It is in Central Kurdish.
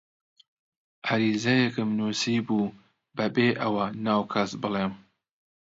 عەریزەیەکم نووسیبوو بەبێ ئەوە ناو کەس بڵێم: